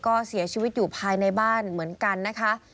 ก็เสียชีวิตอยู่ภายในบ้านเหมือนกันนะคะ